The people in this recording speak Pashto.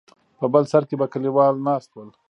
په بل سر کې به کليوال ناست ول.